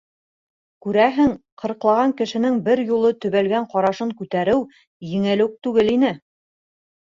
Күрәһең, ҡырҡлаған кешенең бер юлы төбәлгән ҡарашын күтәреү еңел үк түгел ине.